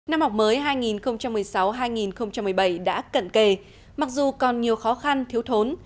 năm học mới hai nghìn một mươi sáu hai nghìn một mươi bảy đã cận kề mặc dù còn nhiều khó khăn thiếu thốn